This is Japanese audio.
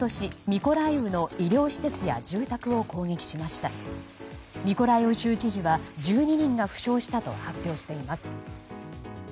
ミコライウ州知事は１２人が負傷したと発表しています。